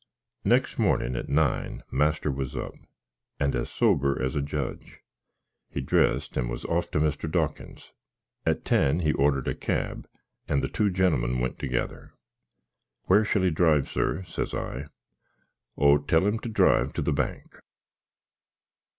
Nex mornin, at nine, master was up, and as sober as a judg. He drest, and was off to Mr. Dawkins. At 10 he ordered a cab, and the two genlm went together. "Where shall he drive, sir?" says I. "Oh, tell him to drive to the Bank."